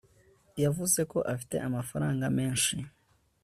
Yavuze ko afite amafaranga menshi